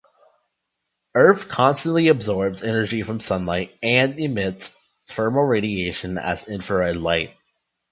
Earth constantly absorbs energy from sunlight and emits thermal radiation as infrared light.